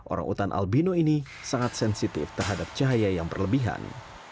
orangutan albino ini sangat sensitif terhadap cahaya yang berlebihan